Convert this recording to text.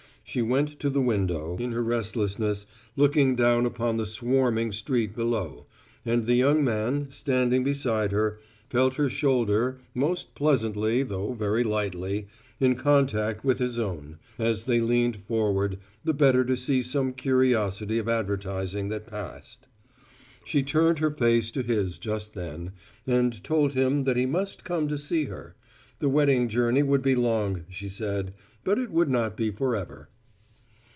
She went to the window, in her restlessness, looking down upon the swarming street below, and the young man, standing beside her, felt her shoulder most pleasantly though very lightly in contact with his own, as they leaned forward, the better to see some curiosity of advertising that passed. She turned her face to his just then, and told him that he must come to see her: the wedding journey would be long, she said, but it would not be forever.